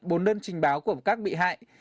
bốn đơn trình báo của các bị hại